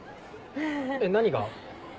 えっ何が？